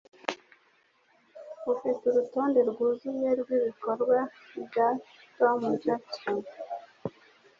Ufite urutonde rwuzuye rwibikorwa bya Tom Jackson?